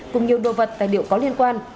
cùng nhiều đồ vật tài liệu có liên quan